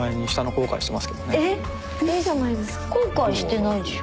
後悔してないでしょ？